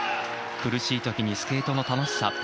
苦しいときにスケートの楽しさ